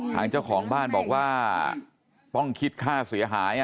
ทางเจ้าของบ้านบอกว่าต้องคิดค่าเสียหาย